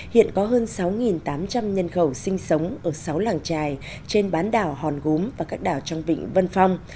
hiện có hơn sáu tám trăm linh nhân khẩu sinh sống ở sáu làng trài trên bán đảo hòn gốm và các đảo trong vịnh vân phong